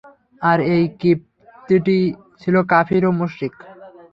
আর এই কিবতীটি ছিল কাফির ও মুশরিক।